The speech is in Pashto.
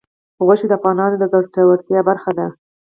غوښې د افغانانو د ګټورتیا برخه ده.